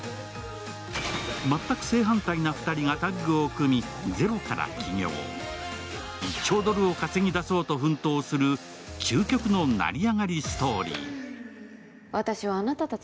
全く正反対な２人がタッグを組み、ゼロから起業１兆ドルを稼ぎ出そうと奮闘する究極の成り上がりストーリー。